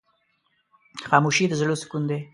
خاموشي، د زړه سکون دی.